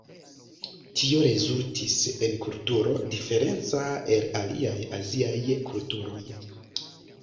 Tio rezultis en kulturo diferenca el aliaj aziaj kulturoj.